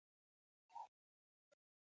غول د التهاب نښه ده.